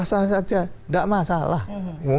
saya tidak menuduh bin